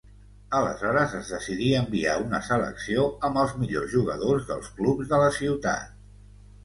Aleshores es decidí enviar una selecció amb els millors jugadors dels clubs de la ciutat.